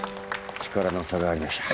力の差がありました。